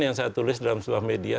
yang saya tulis dalam sebuah media